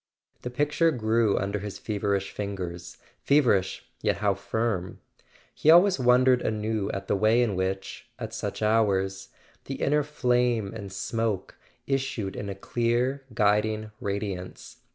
The picture grew under his feverish fingers—feverish, yet how firm! He always wondered anew at the way in which, at such hours, the inner flame and smoke issued in a clear guiding radiance.